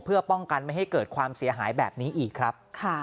เพื่อป้องกันไม่ให้เกิดความเสียหายแบบนี้อีกครับ